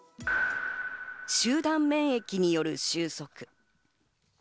集団免疫による収束。